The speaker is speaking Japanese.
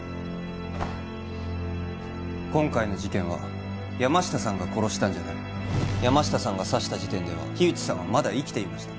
今回の事件は山下さんが殺したんじゃない山下さんが刺した時点では木内さんはまだ生きていました